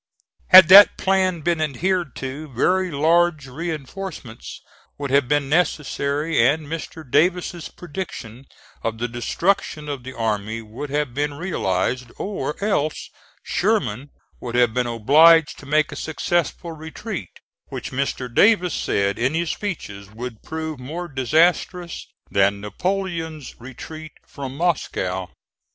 Had that plan been adhered to, very large reinforcements would have been necessary; and Mr. Davis's prediction of the destruction of the army would have been realized, or else Sherman would have been obliged to make a successful retreat, which Mr. Davis said in his speeches would prove more disastrous than Napoleon's retreat from Moscow.